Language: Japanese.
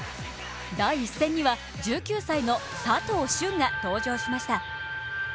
第１戦には１９歳の佐藤駿が登場しました。